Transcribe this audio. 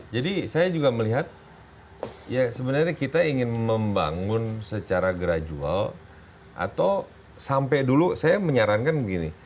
jadi saya juga melihat ya sebenarnya kita ingin membangun secara gradual atau sampai dulu saya menyarankan begini